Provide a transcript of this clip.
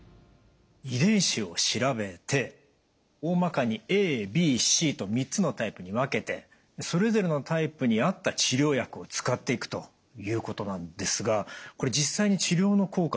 遺伝子を調べておおまかにＡＢＣと３つのタイプに分けてそれぞれのタイプに合った治療薬を使っていくということなんですがこれ実際に治療の効果